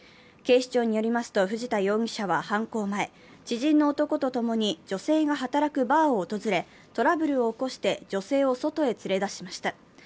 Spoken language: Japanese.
警視庁によりますと、藤田容疑者は犯行前、知人の男と共に女性が働くバーを訪れトラブルを起こして、女性を外へ連れ出しました。